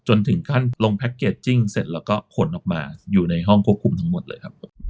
จนถึงขั้นลงแพ็คเกจจิ้งเสร็จแล้วก็ขนออกมาอยู่ในห้องควบคุมทั้งหมดเลยครับ